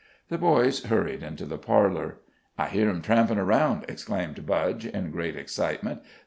The boys hurried into the parlor. "I hear 'em trampin' around!" exclaimed Budge, in great excitement.